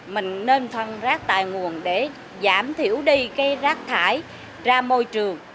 mình nên phân rác tài nguồn để giảm thiểu đi cái rác thải ra môi trường